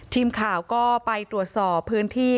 ทีมข่าวก็ไปตรวจสอบพื้นที่